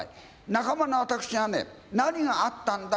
仲間の私が何があったんだ？